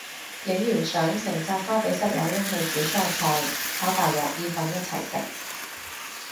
影完相成紮花俾室友拎去煮蔬菜炒大鑊意粉一齊食